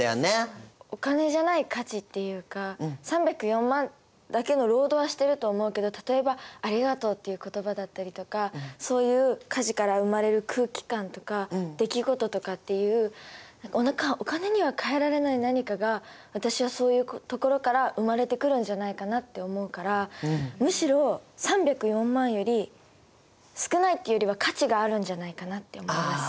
お金じゃない価値っていうか３０４万だけの労働はしてると思うけど例えば「ありがとう」っていう言葉だったりとかそういう家事から生まれる空気感とか出来事とかっていうお金にはかえられない何かが私はそういうところから生まれてくるんじゃないかなって思うからむしろ３０４万より少ないっていうよりは価値があるんじゃないかなって思います。